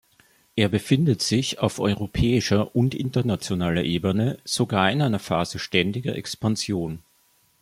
Er befindet sich auf europäischer und internationaler Ebene sogar in einer Phase ständiger Expansion.